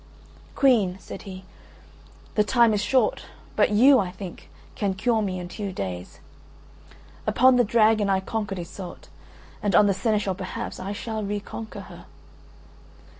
"Queen," said he, "the time is short, but you, I think, can cure me in two days. Upon the dragon I conquered Iseult, and on the seneschal perhaps I shall reconquer her."